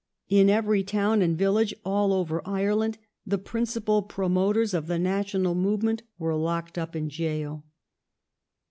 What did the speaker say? In every town and village all over Ireland the principal promoters of the national movement were locked up in jail.